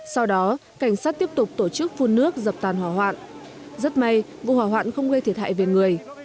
sau đó cảnh sát tiếp tục tổ chức phun nước dập tàn hỏa hoạn rất may vụ hỏa hoạn không gây thiệt hại về người